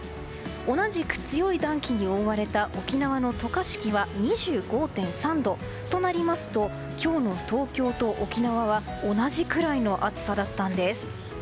同じく強い暖気に覆われた沖縄の渡嘉敷は２５．３度。となりますと今日の東京と沖縄は同じくらいの暑さだったんです。